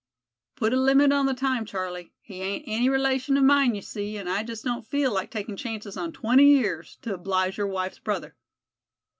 "Put a limit on the time, Charlie. He ain't any relation of mine, you see, and I just don't feel like taking chances on twenty years to oblige your wife's brother.